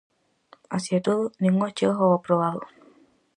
Así e todo, ningunha chega ao aprobado.